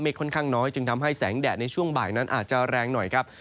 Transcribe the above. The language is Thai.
ค่อนข้างน้อยจึงทำให้แสงแดดในช่วงบ่ายนั้นอาจจะแรงหน่อยครับ